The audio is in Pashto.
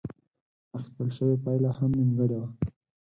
اخيستل شوې پايله هم نيمګړې وه.